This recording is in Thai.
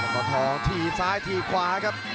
ประทองทีซ้ายทีขวาครับ